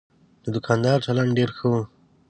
د دوکاندار چلند ډېر ښه و.